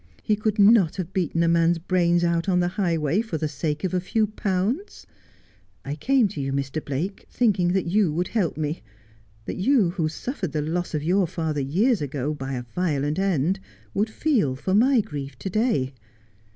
He could not have beaten a man's brains out on the highway for the sake of a few pounds. I came to you, Mr. Blake, thinking that you would help me ; that you who suffered the loss of your father years ago, by a violent end, would feel for my grief to day.